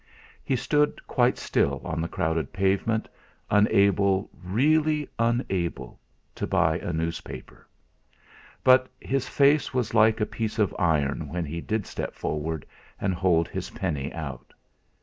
He stood quite still on the crowded pavement, unable, really unable, to buy a paper. But his face was like a piece of iron when he did step forward and hold his penny out.